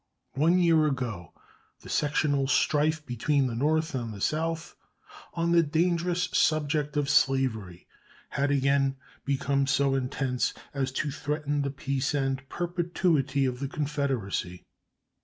One year ago the sectional strife between the North and the South on the dangerous subject of slavery had again become so intense as to threaten the peace and perpetuity of the Confederacy.